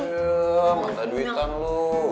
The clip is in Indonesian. iya mata duitan lo